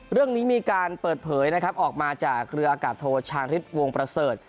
เรื่องนี้มีการเปิดเผยนะครับออกมาจากเรืออากาศโทชาฤทธิวงประเสริฐ